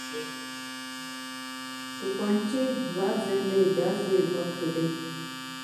توپچي دوه ځلي ډزې وکړې.